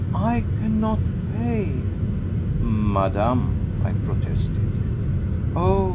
I cannot pay ..." "Madame," I protested. "Oh!